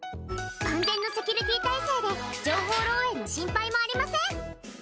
万全のセキュリティー体制で情報漏えいの心配もありません。